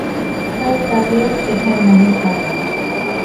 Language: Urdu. پر طبیعت ادھر نہیں آتی